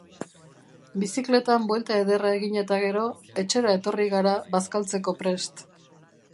Bizikletan buelta ederra egin eta gero, etxera etorri gara bazkaltzeko prest.